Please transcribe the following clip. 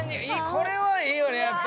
これはいいよねやっぱ。